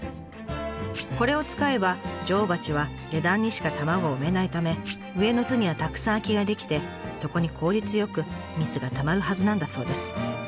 これを使えば女王蜂は下段にしか卵を産めないため上の巣にはたくさん空きが出来てそこに効率よく蜜がたまるはずなんだそうです。